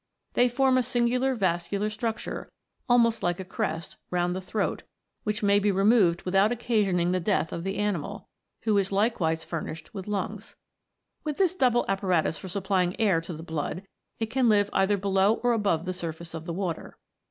They form a singular vascular structure, almost like a crest, round the throat, which may be removed without occasioning the death of the animal, who is likewise furnished with lungs. With this double apparatus for supplying air to the blood, it can live either below or above the surface of the water.